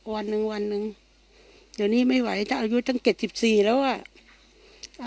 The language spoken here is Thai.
วันหนึ่งวันหนึ่งตอนนี้ไม่ไหวจะอายุตั้ง๗๔แล้วอ่ะ